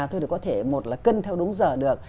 tôi thấy có thể một là cân theo đúng giờ được